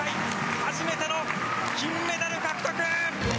初めての金メダル獲得。